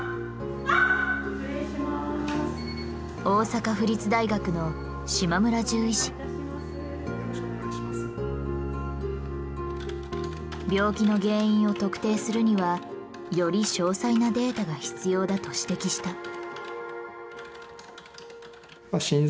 大阪府立大学の病気の原因を特定するにはより詳細なデータが必要だと指摘した。